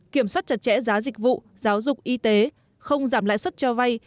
kiểm soát chặt chẽ giá dịch vụ giáo dục y tế không giảm lãi suất cho vay